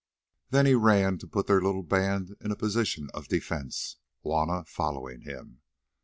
Then he ran to put their little band in a position of defence, Juanna following him.